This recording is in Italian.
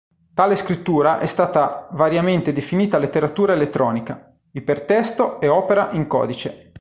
Tale scrittura è stata variamente definita letteratura elettronica, ipertesto e opera in codice.